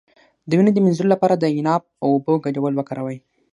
د وینې د مینځلو لپاره د عناب او اوبو ګډول وکاروئ